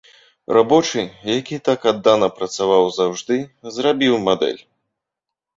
Рабочы, які так аддана працаваў заўжды, зрабіў мадэль.